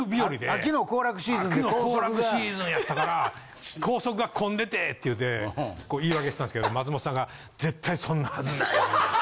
「秋の行楽シーズンやったから高速が混んでて」って言うて言い訳したんですけど松本さんが絶対そんなはずない。